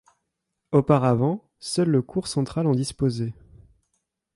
Auparavant, seul le court central en disposait.